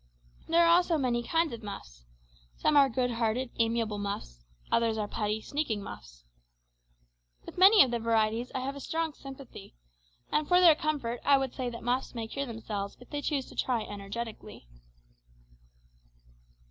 There are also many kinds of muffs. Some are good hearted, amiable muffs; others are petty, sneaking muffs. With many of the varieties I have a strong sympathy, and for their comfort I would say that muffs may cure themselves if they choose to try energetically.